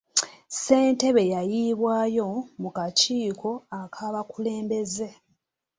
Ssentebe yayiibwayo mu kakiiko k'abakulembeze.